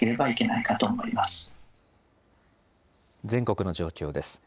全国の状況です。